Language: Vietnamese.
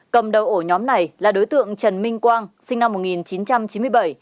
cầm đầu ổ nhóm này là đối tượng trần minh quang sinh năm một nghìn chín trăm chín mươi bảy